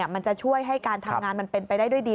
มันจะช่วยให้การทำงานมันเป็นไปได้ด้วยดี